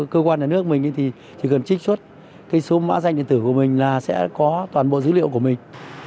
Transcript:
cơ quan nhà nước mình thì chỉ cần trích xuất cái số mã danh điện tử của mình là sẽ có toàn bộ dữ liệu của mình